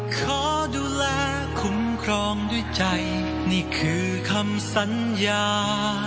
ขอดูแลคุ้มครองด้วยใจนี่คือคำสัญญา